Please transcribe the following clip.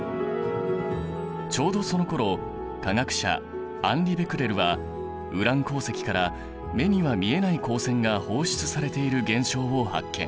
ちょうどそのころ科学者アンリ・ベクレルはウラン鉱石から目には見えない光線が放出されている現象を発見。